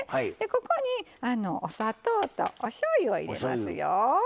ここにお砂糖とおしょうゆを入れます。